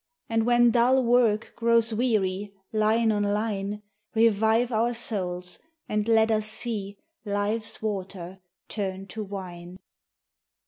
and when dull work Grows weary, line on line, Revive our souls, and let us see Life's water turned to wine.